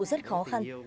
rất khó khăn